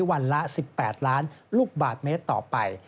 วันละ๑๘ล้านลูกบาทเมตรต่อไป